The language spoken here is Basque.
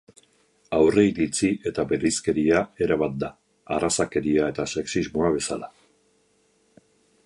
Aurreiritzi eta bereizkeria era bat da, arrazakeria eta sexismoa bezala.